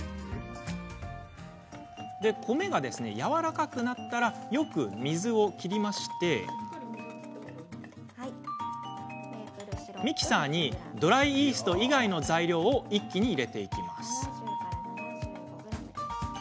米がやわらかくなったらよく水を切ってミキサーにドライイースト以外の材料を一気に入れます。